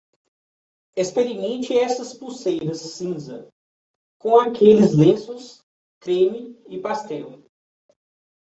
Experimente essas pulseiras cinza com aqueles lenços creme e pastel.